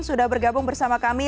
sudah bergabung bersama kami